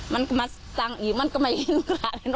มันก็มาสั่งอีกมันก็ไม่กลัวเลยไหม